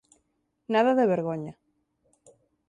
Nada de vergoña.